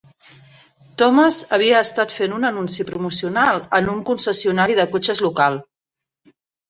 Thomas havia estat fent una anunci promocional en un concessionari de cotxes local.